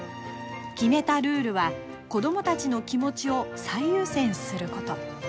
決めたルールは子どもたちの気持ちを最優先すること。